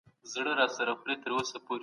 د شریعت په رڼا کي ژوند کول سعادت دی.